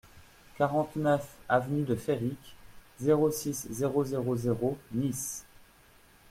quarante-neuf avenue de Féric, zéro six, zéro zéro zéro, Nice